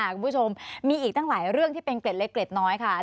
คุณผู้ชมมีอีกตั้งหลายเรื่องที่เป็นเกล็ดเล็กเกร็ดน้อยค่ะ